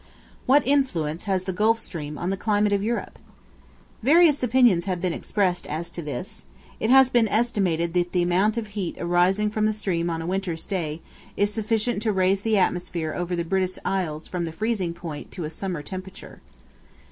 What influence has the Gulf Stream on the climate of Europe? Various opinions have been expressed as to this. It has been estimated that the amount of heat arising from the stream on a winter's day, is sufficient to raise the atmosphere over the British Isles from the freezing point to a summer temperature.